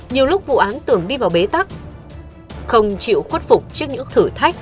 nhiều lúc vụ án tưởng đi vào bế tắc không chịu khuất phục trước những thử thách